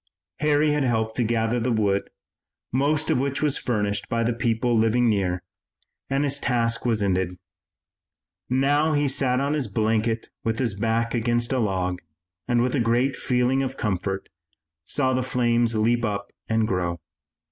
Harry had helped to gather the wood, most of which was furnished by the people living near, and his task was ended. Now he sat on his blanket with his back against a log and, with a great feeling of comfort, saw the flames leap up and grow.